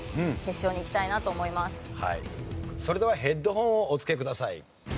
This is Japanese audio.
それではヘッドホンをおつけください。